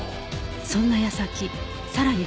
そんな矢先さらに犯人は